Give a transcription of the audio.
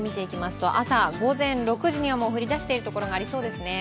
明日には降り出してくるところもありそうですね。